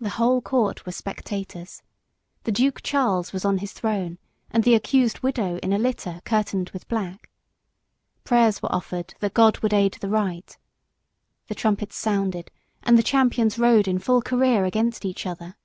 "The whole Court were spectators. The Duke Charles was on his throne, and the accused widow in a litter curtained with black. Prayers were offered that God would aid the right. The trumpets sounded, and the champions rode in full career against each other.